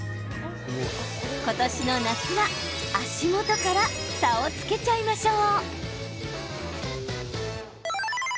今年の夏は、足元から差をつけちゃいましょう。